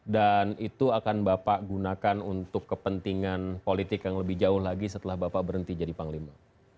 dan itu akan bapak gunakan untuk kepentingan politik yang lebih jauh lagi setelah bapak berhenti jadi panglima